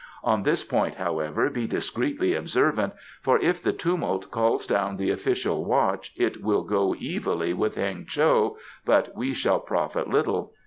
On this point, however, be discreetly observant, for if the tumult calls down the official watch it will go evilly with Heng cho, but we shall profit little.